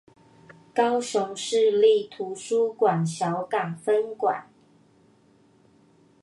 高雄市立圖書館小港分館